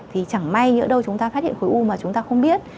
thì chẳng may nữa đâu chúng ta phát hiện khối u mà chúng ta không biết